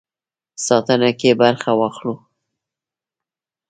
ساتنه کې برخه واخلو.